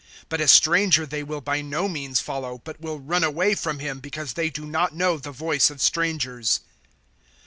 010:005 But a stranger they will by no means follow, but will run away from him, because they do not know the voice of strangers."